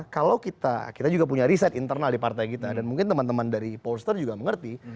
kalau kita kita juga punya riset internal di partai kita dan mungkin teman teman dari polster juga mengerti